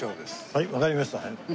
はいわかりました。